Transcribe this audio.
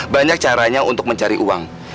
banyak caranya untuk mencari uang